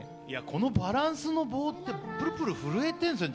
このバランスの棒ってプルプル震えてるんですよ